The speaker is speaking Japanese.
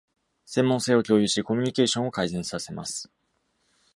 専門性を共有し、コミュニケーションを改善させます。